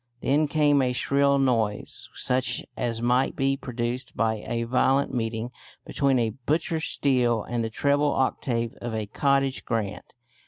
Then came a shrill noise such as might be produced by a violent meeting between a butcher's steel and the treble octave of a "cottage grand."